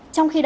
trong khi đó